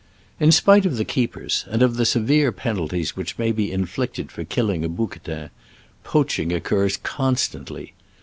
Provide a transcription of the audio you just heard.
In spite of the keepers, and of the severe penalties which may be inflicted for killing a bouquetin, poaching occurs constandy.